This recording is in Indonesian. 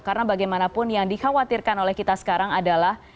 karena bagaimanapun yang dikhawatirkan oleh kita sekarang adalah